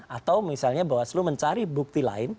atau misalnya bawaslu mencari bukti lain